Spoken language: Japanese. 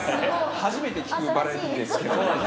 初めて聞くバラエティですけど新しい！